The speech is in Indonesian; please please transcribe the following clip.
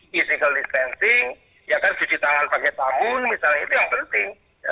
physical distancing ya kan cuci tangan pakai tabun misalnya itu yang penting